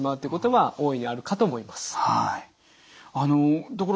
はい。